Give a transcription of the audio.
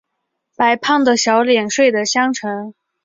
白胖的小脸睡的香沉